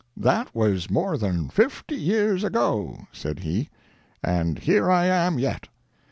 "That was more than fifty years ago," said he. "And here I am, yet."